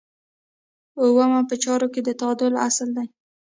اووم په چارو کې د تعادل اصل دی.